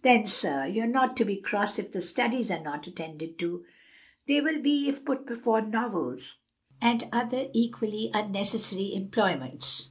"Then, sir, you're not to be cross if the studies are not attended to." "They will be if put before novels, fancy work, and other equally unnecessary employments."